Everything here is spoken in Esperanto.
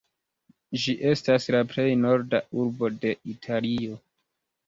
Ĝi estas la plej norda urbo de Italio.